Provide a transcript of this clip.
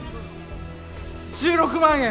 １６万円！